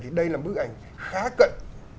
thì đây là bức ảnh khá cận